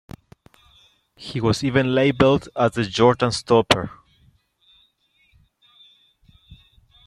He was even labeled as the Jordan stopper.